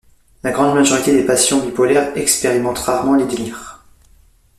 La grande majorité des patients bipolaires expérimentent rarement les délires.